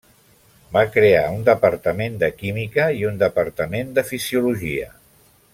Va crear un departament de química i un departament de fisiologia.